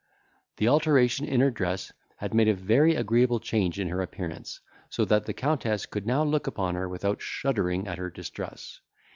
The alteration in her dress had made a very agreeable change in her appearance, so that the Countess could now look upon her without shuddering at her distress.